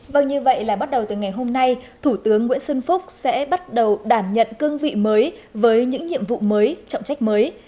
vâng như vậy là bắt đầu từ ngày hôm nay thủ tướng nguyễn xuân phúc sẽ bắt đầu đảm nhận cương vị mới với những nhiệm vụ mới trọng trách mới